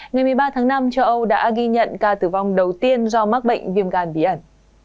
ngày một mươi ba tháng năm châu âu đã ghi nhận ca tử vong đầu tiên do mắc bệnh viêm gan bí ẩn